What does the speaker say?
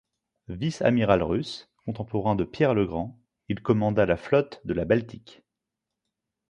Vice-amiral russe, contemporain de Pierre le Grand, il commanda la flotte de la Baltique.